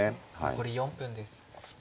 残り４分です。